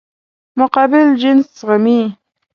مقابل جنس زغمي.